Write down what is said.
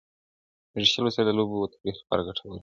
ډیجیټل وسایل د لوبو او تفریح لپاره ګټور دي.